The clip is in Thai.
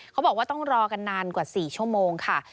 เขาบอกว่าต้องรอกันนานกว่า๔ชั่วโมงค่ะ